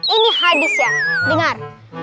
ini hadis ya dengar